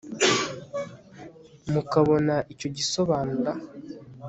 mukabona icyo gisobanura